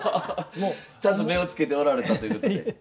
ちゃんと目を付けておられたということで。